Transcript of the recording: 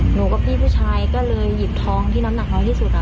กับพี่ผู้ชายก็เลยหยิบทองที่น้ำหนักน้อยที่สุด